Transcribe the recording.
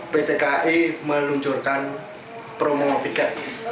pt kai meluncurkan promo tiket